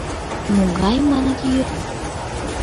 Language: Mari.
Могай, маныт, йӱр?